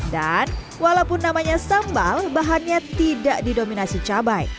dan walaupun namanya sambal bahannya tidak didominasi cabai